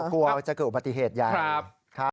กลัวจะเกิดปฏิเหตุยัง